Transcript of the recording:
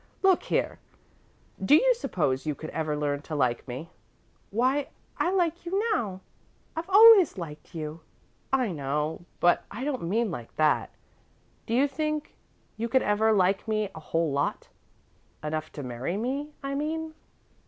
"Look here, do you suppose you could ever learn to like me?" "Why, I like you now I've always liked you." "I know, but I don't mean that. Do you think you could ever like me a whole lot? Enough to marry me, I mean?"